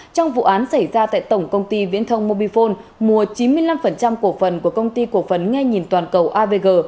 trong vụ án xảy ra tại tổng công ty viễn thông mobifone mua chín mươi năm cổ phần của công ty cổ phấn ngay nhìn toàn cầu avg